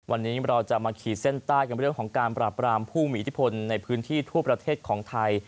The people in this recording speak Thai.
วันนี้เราจะมาขีดเส้นใต้กันเรื่องของการปราบรามผู้มีอิทธิพลในพื้นที่ทั่วประเทศของไทย